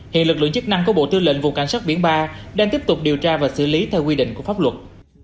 hiện lực lượng chức năng của bộ tư lệnh vùng cảnh sát biển ba đang tiếp tục điều tra và xử lý theo quy định của pháp luật